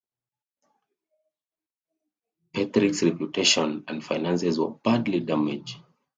Petherick's reputation and finances were badly damaged.